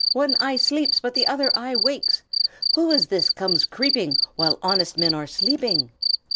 one eye sleeps, but the other eye wakes! Who is this comes creeping, while honest men are sleeping?"